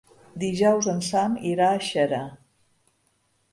Dijous en Sam irà a Xera.